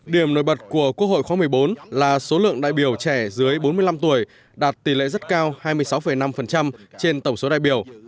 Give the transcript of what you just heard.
điểm nổi bật của quốc hội khóa một mươi bốn là số lượng đại biểu trẻ dưới bốn mươi năm tuổi đạt tỷ lệ rất cao hai mươi sáu năm trên tổng số đại biểu